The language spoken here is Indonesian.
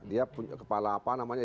dia kepala apa namanya